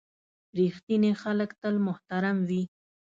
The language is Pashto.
• رښتیني خلک تل محترم وي.